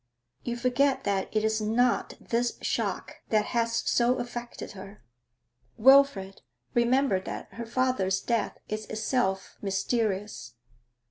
'You forget that it is not this shock that has so affected her.' 'Wilfrid, remember that her father's death is itself mysterious.